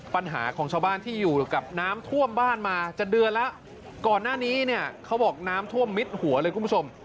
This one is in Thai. ปัญหาของชาวบ้านที่อยู่กับน้ำท่วมบ้านมาจะเดือนแล้วก่อนหน้านี้เนี่ยเขาบอกน้ำท่วมมิดหัวเลยคุณผู้ชม